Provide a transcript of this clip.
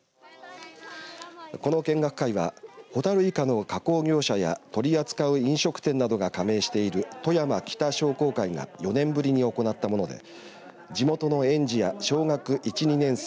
この見学会はほたるいかの加工業者や取り扱う飲食店などが加盟している富山北商工会が４年ぶりに行ったもので地元の園児や小学１、２年生